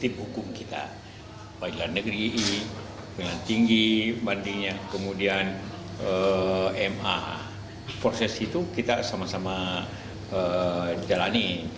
proses itu kita sama sama jalani